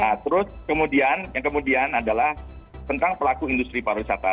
nah terus kemudian yang kemudian adalah tentang pelaku industri pariwisata